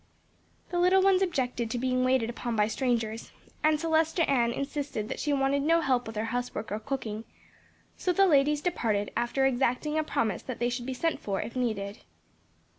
The little ones objected to being waited upon by strangers, and Celestia Ann insisted that she wanted no help with her housework or cooking; so the ladies departed after exacting a promise that they should be sent for if needed.